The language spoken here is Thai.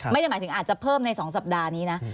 ไม่ได้หมายถึงอาจจะเพิ่มใน๒สัปดาห์นี้นะ